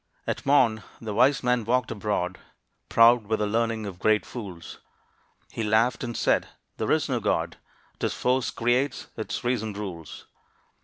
At morn the wise man walked abroad, Proud with the learning of great fools. He laughed and said, "There is no God 'Tis force creates, 'tis reason rules."